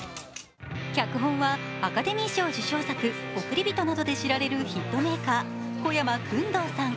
脚本はアカデミー賞受賞作「おくりびと」などで知られるヒットメーカー、小山薫堂さん。